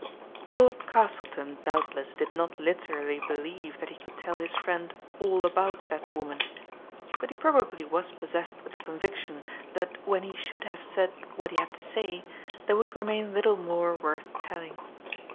Lord Castleton, doubtless, did not literally believe that he could tell his friend " all about " that woman. But he probably was possessed with the conviction that when he should have said what he had to say, there would remain little more worth telling.